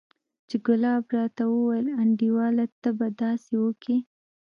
چې ګلاب راته وويل انډيواله ته به داسې وکې.